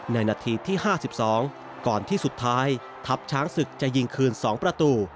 นาทีที่๕๒ก่อนที่สุดท้ายทัพช้างศึกจะยิงคืน๒ประตู